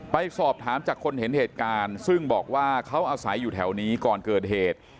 ไปสอบถามจากคนเห็นเหตุการณ์ซึ่งบอกว่าเขาอาศัยอยู่แถวนี้ก่อนเกิดเหตุ